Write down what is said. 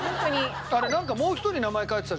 あれなんかもう一人名前書いてたじゃん。